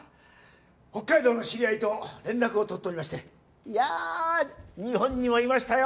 北海道の知り合いと連絡をとっとりましていや日本にもいましたよ